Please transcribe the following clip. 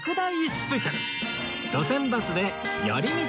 スペシャル